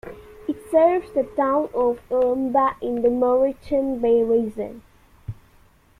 It serves the town of Elimbah in the Moreton Bay Region.